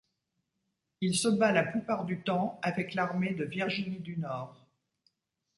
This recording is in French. Il se bat la plupart du temps avec l'armée de Virginie du Nord.